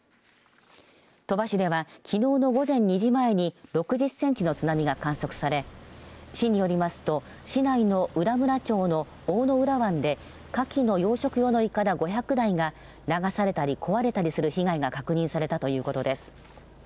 鳥羽市ではきのうの午前２時前に６０センチの津波が観測され市によりますと市内の浦村町の生浦湾でカキの養殖用のいかだ５００台が流されたり壊れたりする被害が確認されたということです。